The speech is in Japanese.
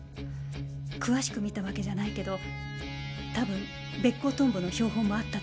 詳しく見たわけじゃないけど多分ベッコウトンボの標本もあったと思う。